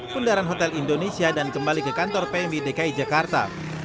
bundaran hotel indonesia dan kembali ke kantor pmi dki jakarta